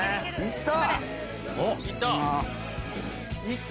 ・いった！